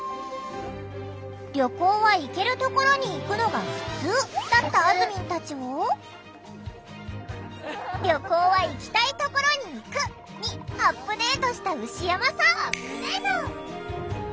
「旅行は行けるところに行くのがふつう」だったあずみんたちを「旅行は行きたいところに行く」にアップデートした牛山さん。